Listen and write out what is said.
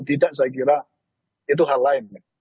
tidak saya kira itu hal lain